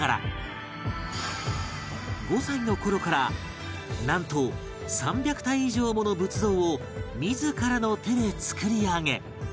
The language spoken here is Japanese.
５歳の頃からなんと３００体以上もの仏像を自らの手で作り上げ